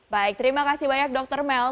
baik terima kasih banyak dokter mel